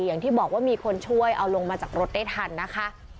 อย่างที่บอกว่ามีคนช่วยเอาลงมาจากรถได้ทันนะคะ